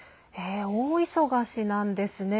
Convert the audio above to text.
大忙しなんですね。